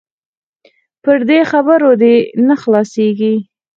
پر دې خبرو دې سر نه خلاصيږي.